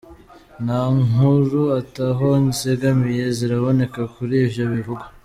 Nta nkuru ata ho zegamiye ziraboneka kuri ivyo bivugwa.